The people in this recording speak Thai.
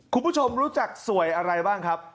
คุณผู้ชมรู้จักสวยอะไรบ้างครับ